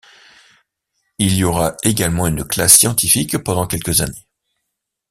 Il y aura également une classe scientifique pendant quelques années.